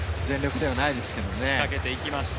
仕掛けてきました。